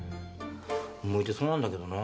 向いてそうなんだけどな。